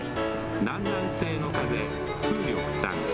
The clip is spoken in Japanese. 南南西の風、風力３。